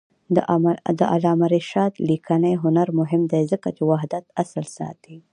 د علامه رشاد لیکنی هنر مهم دی ځکه چې وحدت اصل ساتي.